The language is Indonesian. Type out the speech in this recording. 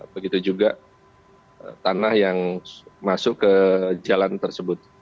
begitu juga tanah yang masuk ke jalan tersebut